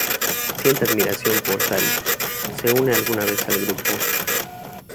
Siente admiración por Sally.Se une alguna vez al grupo.